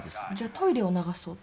トイレを流す音？